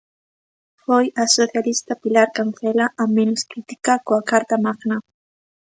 Foi a socialista Pilar Cancela a menos crítica coa 'Carta Magna'.